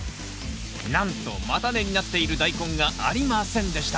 なんと叉根になっているダイコンがありませんでした